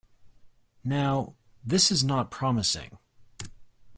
Now, this is not promising.